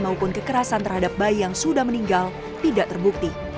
maupun kekerasan terhadap bayi yang sudah meninggal tidak terbukti